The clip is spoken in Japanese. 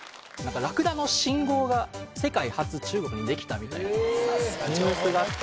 何からくだの信号が世界初中国にできたみたいなへえ